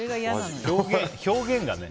表現がね。